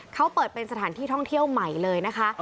เขาเปิดเป็นสถานที่ท่องเที่ยวใหม่เลยนะคะ